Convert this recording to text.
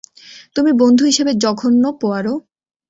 তুমি বন্ধু হিসেবে জঘন্য, পোয়ারো!